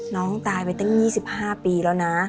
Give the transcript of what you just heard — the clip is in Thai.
น้องตายไปตั้ง๒๕ปีแล้วนะ